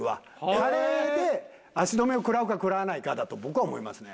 カレーで足止めを食らうか食らわないかだと僕は思いますね。